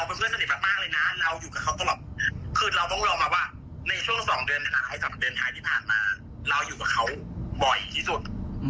ต้องลองบอกว่าในช่วง๒๓เดือนหายที่ผ่านมาเราอยู่กับเขาบ่อยที่สุด